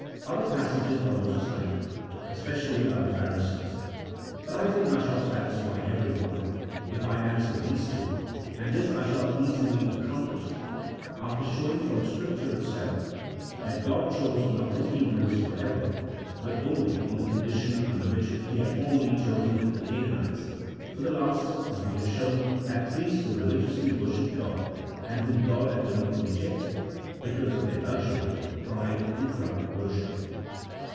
Other passages are also cited, especially by the Pharisees, but I think I shall satisfy everyone if I answer these two, and this I shall easily accomplish after showing from Scripture itself that God chose not the Hebrews for ever, but only on the con dition under which He had formerly chosen the Canaanites, for these last, as we have shown, had priests who religiously worshipped God, and whom God at length rejected because of their luxury, pride, and corrupt worship.